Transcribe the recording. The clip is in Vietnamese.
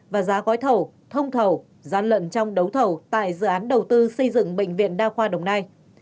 và giá gói thầu thông thầu gian lận trong đấu thầu tại dự án đầu tư xây dựng bệnh viện đa khoa đồng nai